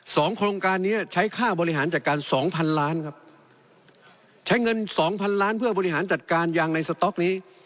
โครงการนี้ใช้ค่าบริหารจัดการสองพันล้านครับใช้เงินสองพันล้านเพื่อบริหารจัดการยางในสต๊อกนี้